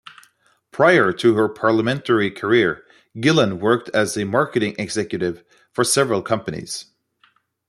Prior to her parliamentary career, Gillan worked as a marketing executive for several companies.